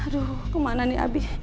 aduh kemana nih abi